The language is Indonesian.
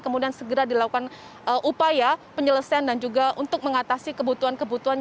kemudian segera dilakukan upaya penyelesaian dan juga untuk mengatasi kebutuhan kebutuhan